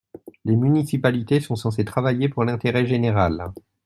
Les municipalités sont censées travailler pour l’intérêt général.